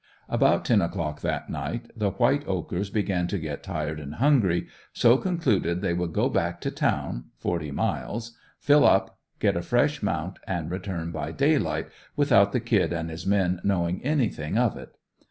About ten o'clock that night the White Oaker's began to get tired and hungry, so concluded they would go back to town, forty miles, fill up, get a fresh mount and return by daylight, without the "Kid" and his men knowing anything of it.